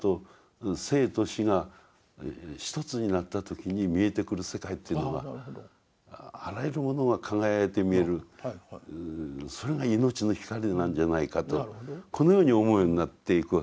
生と死が一つになった時に見えてくる世界というのがあらゆるものが輝いて見えるそれが命の光なんじゃないかとこのように思うようになっていくわけですね。